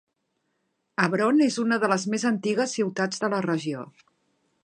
Hebron és una de les més antigues ciutats de la regió.